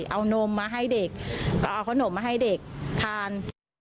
เอานมมาให้เด็กก็เอาขนมมาให้เด็กทาน